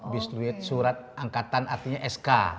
bisduit surat angkatan artinya sk